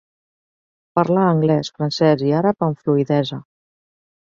Parla anglès, francès i àrab amb fluïdesa.